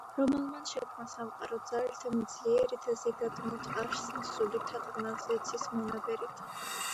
რომელმან შექმნა სამყარო ძალითა მით ძლიერითა, ზეგარდმოთ არსნი სულითა ყვნა ზეცით მონაბერითა,